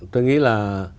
tôi nghĩ là